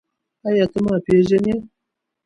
ایا ته ما پېژنې؟